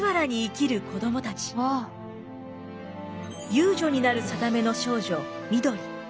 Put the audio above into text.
遊女になる定めの少女美登利。